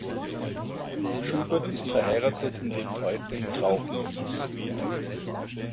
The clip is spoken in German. Schubert ist verheiratet und lebt heute in Krauchenwies.